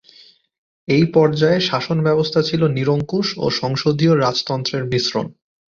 এই পর্যায়ে শাসনব্যবস্থা ছিল নিরঙ্কুশ ও সংসদীয় রাজতন্ত্রের মিশ্রণ।